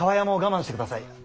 厠も我慢してください。